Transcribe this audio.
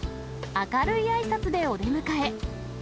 明るいあいさつでお出迎え。